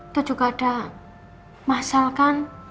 itu juga ada masalah kan